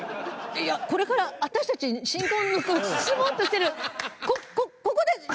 いやこれから私たち新婚の住もうとしてる。